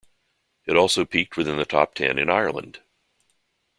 It also peaked within the top ten in Ireland.